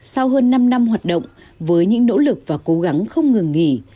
sau hơn năm năm hoạt động với những nỗ lực và cố gắng không ngừng nghỉ